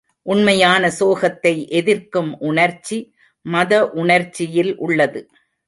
உண்மையான சோகத்தை எதிர்க்கும் உணர்ச்சி மத உணர்ச்சியில் உள்ளது.